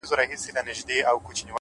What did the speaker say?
د مثبت فکر ځواک خنډونه کمزوري کوي؛